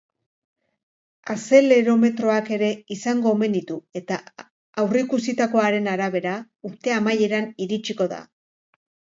Azelerometroak ere izango omen ditu eta aurrikusitakoaren arabera, urte amaieran iritsiko da.